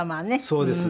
そうです。